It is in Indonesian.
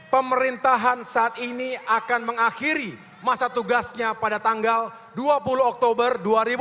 pemerintahan saat ini akan mengakhiri masa tugasnya pada tanggal dua puluh oktober dua ribu dua puluh